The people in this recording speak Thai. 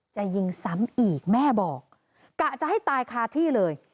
จะยิงซ้ำอีกแม่บอกกะจะให้ตายคาที่เลย